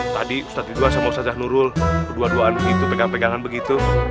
tadi ustadz widwa sama ustadz zahnurul berduaan duaan begitu pegangan pegangan begitu